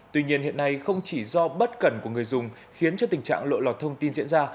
tuy nhiên hiện nay không chỉ do bất cần của người dùng khiến cho tình trạng lộ lọt thông tin diễn ra